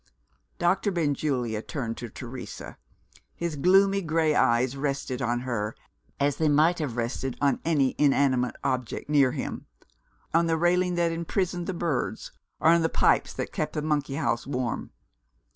Doctor Benjulia turned to Teresa. His gloomy gray eyes rested on her, as they might have rested on any inanimate object near him on the railing that imprisoned the birds, or on the pipes that kept the monkey house warm.